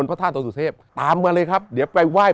ไป